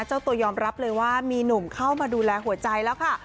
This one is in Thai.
เจ้าตัวยอมรับเลยว่ามีหนุ่มเข้ามาดูแลหัวใจแล้วค่ะ